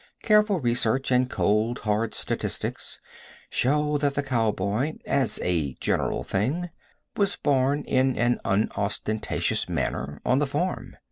Careful research and cold, hard statistics show that the cow boy, as a general thing, was born in an unostentatious manner on the farm.